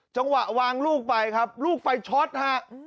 จังหวะวางลูกไปครับลูกไฟช็อตฮะ